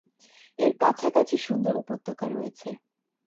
এর কাছাকাছি সুন্দর উপত্যকা রয়েছে।